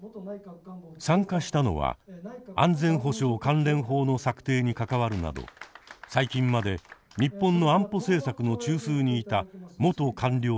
参加したのは安全保障関連法の策定に関わるなど最近まで日本の安保政策の中枢にいた元官僚や自衛隊の元最高幹部。